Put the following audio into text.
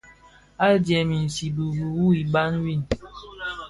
Adyèn i nzibiri wu iban win,